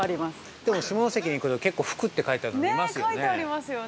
でも、下関に来ると結構「ふく」って書いてあるの見ますよね。